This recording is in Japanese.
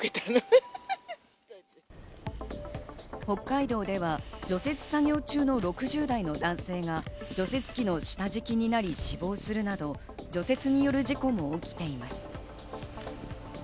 北海道では除雪作業中の６０代の男性が除雪機の下敷きになり死亡するなど、除雪による事故も起きています。